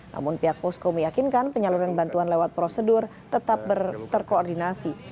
namun pihak posko meyakinkan penyaluran bantuan lewat prosedur tetap terkoordinasi